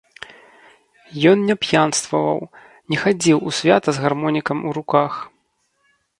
Ён не п'янстваваў, не хадзіў у свята з гармонікам у руках.